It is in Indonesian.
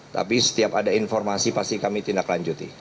tapi setiap ada informasi pasti kami tindak lanjuti